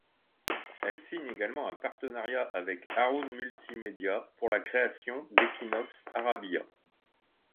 Elle signe également un partenariat avec Haroun Multi Media pour la création d’éQuinoxe Arabiya.